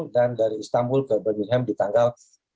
dan dari istanbul ke birmingham di tanggal tiga belas